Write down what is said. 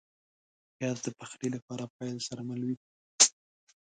پیاز د پخلي له پیل سره مل وي